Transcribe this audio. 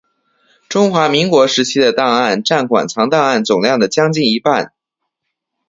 中华民国时期的档案占馆藏档案总量的将近一半。